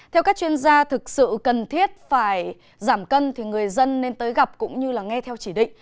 theo các chuyên gia thực sự cần thiết phải giảm cân thì người dân nên tới gặp cũng như nghe theo chỉ định